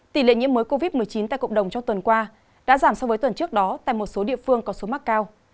tỷ lệ nhiễm mới covid một mươi chín tại cộng đồng trong tuần qua đã giảm so với tuần trước đó tại một số địa phương có số mắc cao